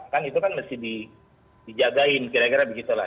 kan itu kan mesti dijagain kira kira begitu lah